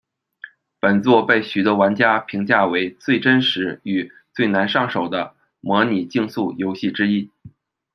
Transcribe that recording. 本作被许多玩家评价为最真实与最难上手的模拟竞速游戏之一。